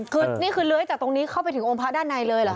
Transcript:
คือนี่คือเลื้อยจากตรงนี้เข้าไปถึงองค์พระด้านในเลยเหรอค